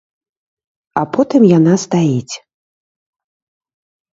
А потым яна стаіць.